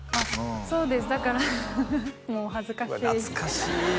そうですだからもう恥ずかしいうわ